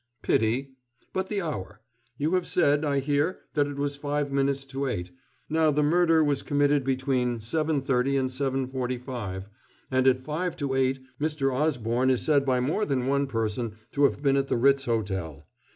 "Pity.... But the hour. You have said, I hear, that it was five minutes to eight. Now, the murder was committed between 7.30 and 7.45; and at five to eight Mr. Osborne is said by more than one person to have been at the Ritz Hotel.